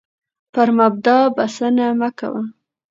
پر مبتدا بسنه مه کوه،